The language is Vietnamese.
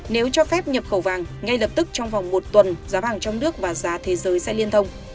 nếu cho phép nhập khẩu vàng ngay lập tức trong vòng một tuần giá vàng trong nước và giá thế giới sẽ liên thông